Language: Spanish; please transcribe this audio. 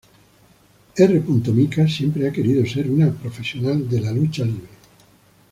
R. Mika siempre ha querido ser una profesional de la lucha libre.